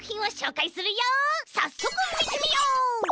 さっそくみてみよう！